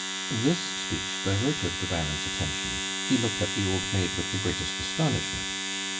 This speech diverted the Baron's attention; he looked at the old maid with the greatest astonishment.